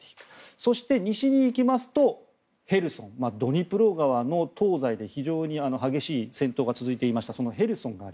そして、西に行きますとヘルソンドニプロ川の東西で非常に激しい戦闘が続いていたそのヘルソン。